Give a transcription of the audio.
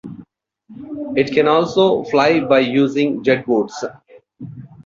It can also fly by using jet boots.